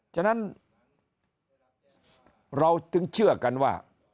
ฉะนั้นเราจึงเชื่อกันว่า